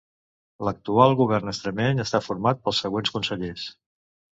L'actual Govern extremeny està format pels següents consellers.